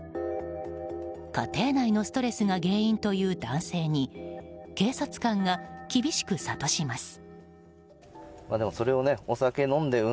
家庭内のストレスが原因という男性に警察官が厳しく諭します。